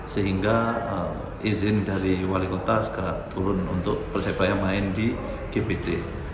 sehingga izin dari wali kota segera turun untuk persebaya main di gbt